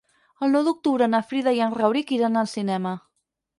El nou d'octubre na Frida i en Rauric iran al cinema.